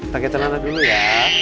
pakai celana dulu ya